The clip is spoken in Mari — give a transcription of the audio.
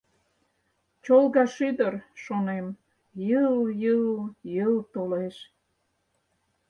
Чолга шӱдыр, шонем, йыл-йыл-йыл толеш.